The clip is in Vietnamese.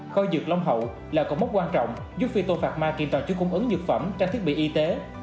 kho dược long hậu là cổ mốc quan trọng giúp phyto pharma kiên toàn chứa cung ứng dược phẩm trang thiết bị y tế